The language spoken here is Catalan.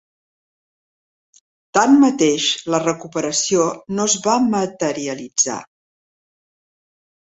Tanmateix, la recuperació no es va materialitzar.